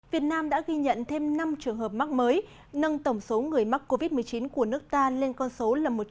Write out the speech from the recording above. việt nam đã ghi nhận thêm năm trường hợp mắc mới nâng tổng số người mắc covid một mươi chín của nước ta lên con số một trăm bảy mươi bốn